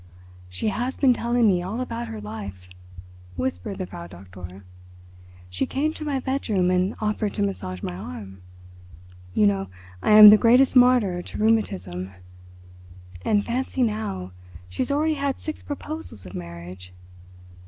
"She has been telling me all about her life," whispered the Frau Doktor. "She came to my bedroom and offered to massage my arm. You know, I am the greatest martyr to rheumatism. And, fancy now, she has already had six proposals of marriage.